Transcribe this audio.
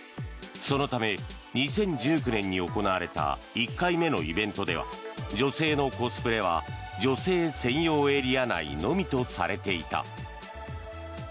そのため、２０１９年に行われた１回目のイベントでは女性のコスプレは女性専用エリア内のみとされていた。